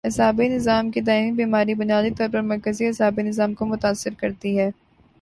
اعصابی نظام کی دائمی بیماری بنیادی طور پر مرکزی اعصابی نظام کو متاثر کرتی ہے